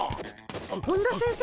本田先生